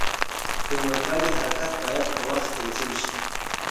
د اورګاډي حرکت باید په وخت تنظیم شي.